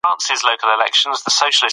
د ولس ملاتړ د ژمنو په عمل ساتل کېږي